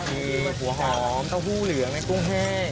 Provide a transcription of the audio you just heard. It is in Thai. มีหัวหอมตาหู้เหลืองแก้งกุ้งแห้ม